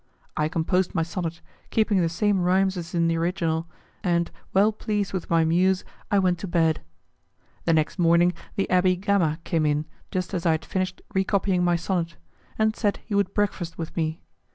I composed my sonnet, keeping the same rhymes as in the original, and, well pleased with my muse, I went to bed. The next morning the Abbé Gama came in just as I had finished recopying my sonnet, and said he would breakfast with me.